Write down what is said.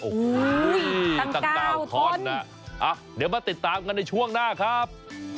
โอ้โหตั้ง๙ท่อนนะเดี๋ยวมาติดตามกันในช่วงหน้าครับ